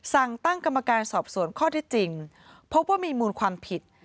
สั่งตั้งกรรมการสอบสวนข้อที่จริงพบว่ามีมูลความผิด